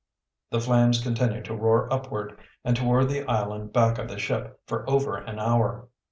The flames continued to roar upward, and toward the island back of the ship, for over an hour.